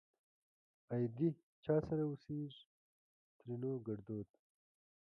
آئيدې چا سره اوسيږ؛ ترينو ګړدود